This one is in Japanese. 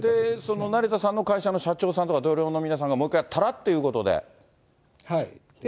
その成田さんの会社の社長さんとか、同僚の皆さんがもう一回やったらということで。